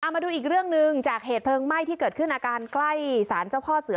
มาดูอีกเรื่องหนึ่งจากเหตุเพลิงไหม้ที่เกิดขึ้นอาการใกล้สารเจ้าพ่อเสือ